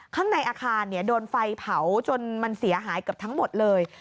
ข้างในอาคารโดนไฟเผาจนมันเสียหายเกือบทั้งหมดเลย